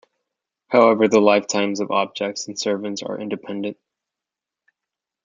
However, the lifetimes of objects and servants are independent.